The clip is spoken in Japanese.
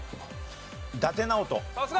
伊達直人。